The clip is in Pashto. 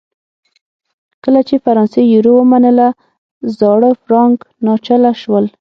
کله چې فرانسې یورو ومنله زاړه فرانک ناچله شول.